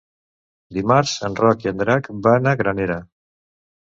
Dimarts en Roc i en Drac van a Granera.